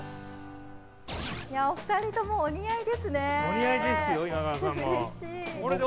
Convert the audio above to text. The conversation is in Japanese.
お二人とも、お似合いですね。